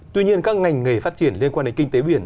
tuy nhiên các ngành nghề phát triển liên quan đến kinh tế biển